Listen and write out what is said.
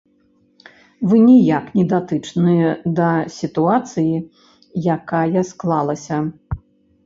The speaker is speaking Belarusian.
Вы ніяк не датычныя да сітуацыі, якая склалася.